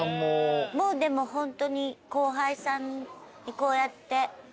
もうでもホントに後輩さんにこうやってお会いして。